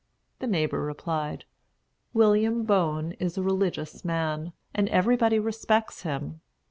The neighbor replied, "William Boen is a religious man, and everybody respects him.